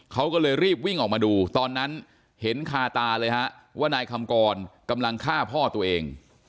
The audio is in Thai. เขาก็เลยรีบวิ่งออกมาดูตอนนั้นเห็นคาตาเลยฮะว่านายคำกรกำลังฆ่าพ่อตัวเอง